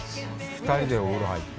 ２人でお風呂に入って。